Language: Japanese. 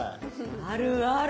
あるある。